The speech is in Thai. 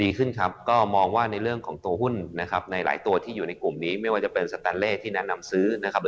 ดีขึ้นครับก็มองว่าในเรื่องของตัวหุ้นนะครับในหลายตัวที่อยู่ในกลุ่มนี้ไม่ว่าจะเป็นสแตนเล่ที่แนะนำซื้อนะครับ